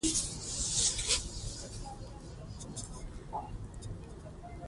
د فرهنګ ارزښت په انساني کرامت، اخلاقو او فضیلتونو کې نغښتی دی.